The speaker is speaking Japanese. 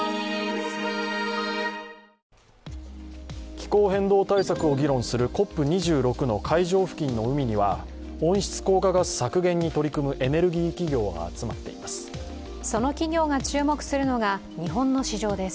気候変動対策を議論するＣＯＰ２６の会場付近の海には温室効果ガス削減に取り組むエネルギー企業が集まっています。